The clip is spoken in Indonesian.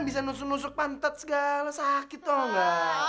bisa nusuk nusuk pantat segala sakit tau gak